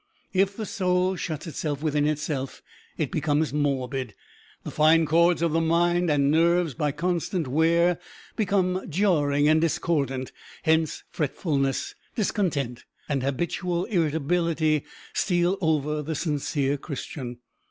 If the soul shut itself within itself, it becomes morbid; the fine chords of the mind and nerves by constant wear become jarring and discordant; hence fretfulness, discontent, and habitual irritability steal over the sincere Christian.